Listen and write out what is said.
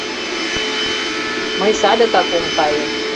Мый садыгак ом кае.